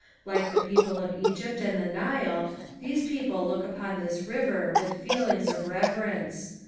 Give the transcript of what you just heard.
Like the people of Egypt and the Nile, these people look upon this river with feelings of reverence.